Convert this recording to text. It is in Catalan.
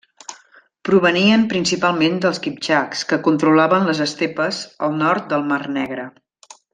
Provenien principalment dels kiptxaks, que controlaven les estepes al nord del Mar Negre.